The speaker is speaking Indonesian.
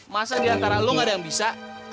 masa diantara lo gak ada yang bisa